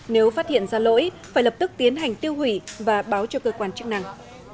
nếu phát hiện ra lỗi phải lập tức tiến hành tiêu hủy và báo cho cơ quan chức năng